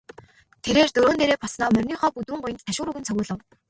Тэрээр дөрөөн дээрээ боссоноо мориныхоо бүдүүн гуянд ташуур өгөн цогиулав.